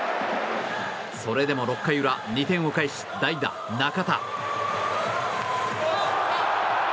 それでも６回裏、２点を返し代打、中田。